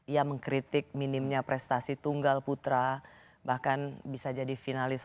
ia mengkritik minimnya prestasi tunggal putra bahkan bisa jadi finalis